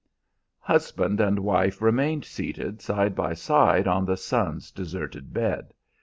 Husband and wife remained seated side by side on the son's deserted bed.